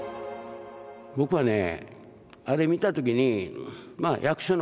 僕はね